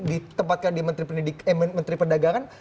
ditempatkan di menteri pendagangan